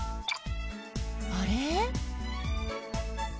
あれ？